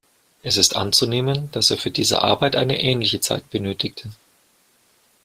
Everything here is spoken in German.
Es ist anzunehmen, dass er für diese Arbeit eine ähnliche Zeit benötigte.